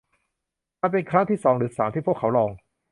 มันเป็นครั้งที่สองหรือสามที่พวกเขาลอง